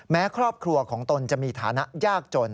ครอบครัวของตนจะมีฐานะยากจน